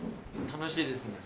楽しいですね。